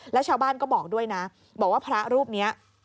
แล้วชาวบ้านก็บอกด้วยนะบอกว่าพระรูปนี้